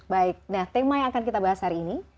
baik nah tema yang akan kita bahas hari ini